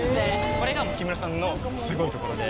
これが木村さんのすごいところで。